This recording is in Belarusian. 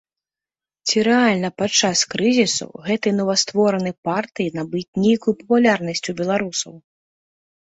Ці рэальна падчас крызісу гэтай новастворанай партыі набыць нейкую папулярнасць у беларусаў?